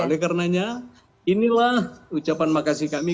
oleh karenanya inilah ucapan makasih kami